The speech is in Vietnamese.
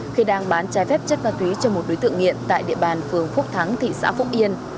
khi đang bán trái phép chất ma túy cho một đối tượng nghiện tại địa bàn phường phúc thắng thị xã phúc yên